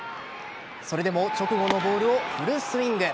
それでも直後のボールをフルスイング。